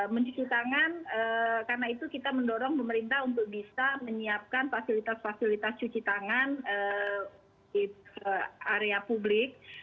mencuci tangan karena itu kita mendorong pemerintah untuk bisa menyiapkan fasilitas fasilitas cuci tangan di area publik